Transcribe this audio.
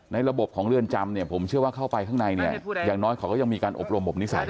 ระบบของเรือนจำเนี่ยผมเชื่อว่าเข้าไปข้างในเนี่ยอย่างน้อยเขาก็ยังมีการอบรมบนิสัย